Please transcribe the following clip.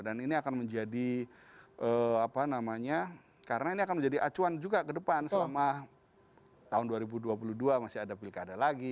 dan ini akan menjadi apa namanya karena ini akan menjadi acuan juga ke depan selama tahun dua ribu dua puluh dua masih ada pilkada lagi